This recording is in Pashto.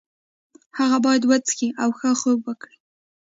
هغه باید وڅښي او ښه خوب وکړي.